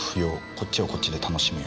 こっちはこっちで楽しむよ」